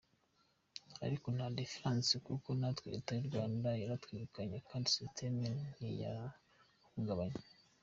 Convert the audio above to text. Ariko nta difference kuko natwe leta y’u Rwanda yaratwirukanye kandi system ntiyahungabanye.